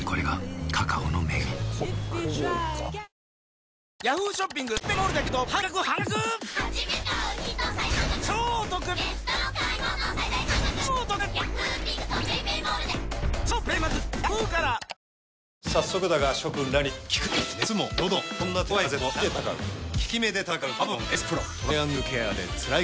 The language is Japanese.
はい。